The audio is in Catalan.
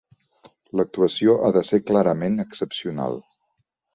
L'actuació ha de ser clarament excepcional.